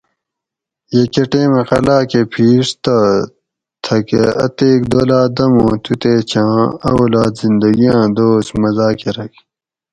یہ کہۤ ٹیمہ قلعاۤ کہۤ پھیڛ تہ تھہ کہ اتیک دولات دم اوں تو تے چھاۤن اولاد زندہ گیاۤں دوس مزا کۤرگ